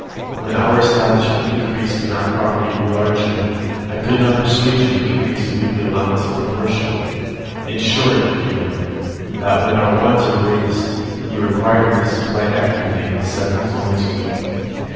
When our establishment increased and our property grew larger, I could not persuade you to increase the weekly allowance in proportion: in short, you know, that, when our wants were greatest, you required me to supply everything with seven florins a week.